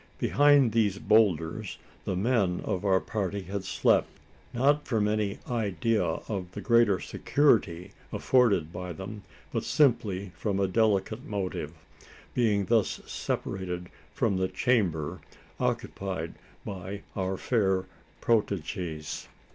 Behind these boulders, the men of our party had slept not from any idea of the greater security afforded by them, but simply from a delicate motive being thus separated from the chamber occupied by our fair protegees.